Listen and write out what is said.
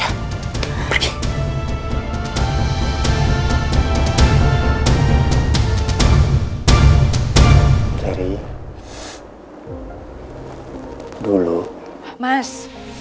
hai dari dulu mas